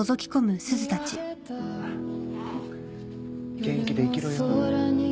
元気で生きろよ。